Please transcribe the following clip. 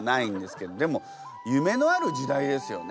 でも夢のある時代ですよね。